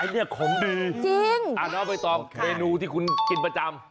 เออเอาไปทำพวกอาหาร